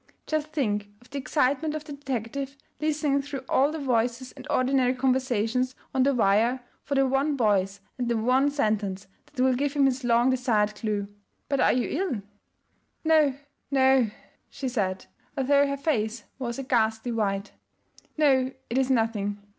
Just think of the excitement of the detective, listening through all the voices and ordinary conversations on the wire for the one voice and the one sentence that will give him his long desired clue! But are you ill?' 'No, no,' she said, although her face was a ghastly white, 'no, it is nothing.